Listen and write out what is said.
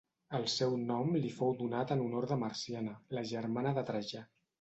El seu nom li fou donat en honor de Marciana, la germana de Trajà.